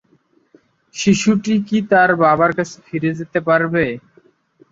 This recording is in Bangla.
শিশুটি কি তার বাবার কাছে ফিরে যেতে পারবে?